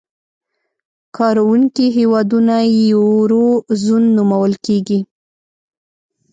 کاروونکي هېوادونه یې یورو زون نومول کېږي.